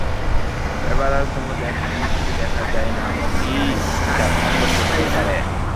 এবার আর কুমুদ এমন যুক্তি দেখায় না মতি যা খণ্ডন করিতে পারে।